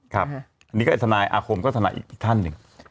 ครับอันนี้ก็ทนายอาคมก็ทนายอีกท่านหนึ่ง